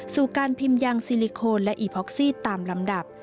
การพิมพ์ยางซิลิโคนและอีพ็อกซี่ตามลำดับ